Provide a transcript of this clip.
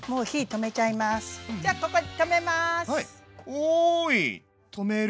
おい止める。